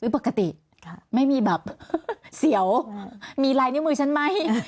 ปกติไม่มีแบบเสียวมีลายนิ้วมือฉันไหม